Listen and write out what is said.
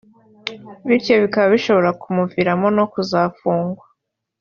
bityo bikaba bishobora kumuviramo no kuzafungwa